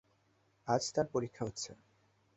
আজ তার পরীক্ষা হচ্ছে।